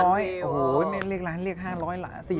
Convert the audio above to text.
โอ้โหเรียกแล้วเรียก๕๐๐ล้าน